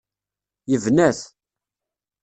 Yebna-t.